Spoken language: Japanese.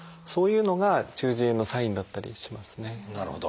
そういうのが中耳炎のサインだったりしますね。